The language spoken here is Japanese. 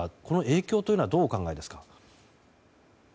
この影響というのはどうお考えですか？